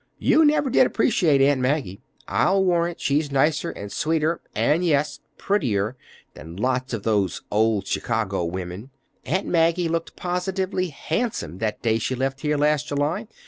You never did appreciate Aunt Maggie. I'll warrant she's nicer and sweeter and—and, yes, prettier than lots of those old Chicago women. Aunt Maggie looked positively handsome that day she left here last July.